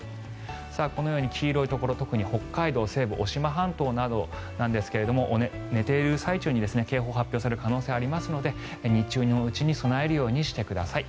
このように黄色いところ特に北海道西部渡島半島なんですが寝ている最中に警報が発表される可能性がありますので日中のうちに備えるようにしてください。